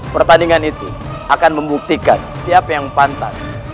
pertandingan itu akan membuktikan siapa yang pantas